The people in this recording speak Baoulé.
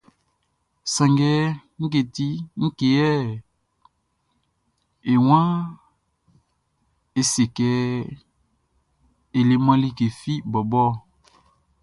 Sanngɛ ngue yɛ e waan é sé kɛ e leman like fi bɔbɔ ɔ?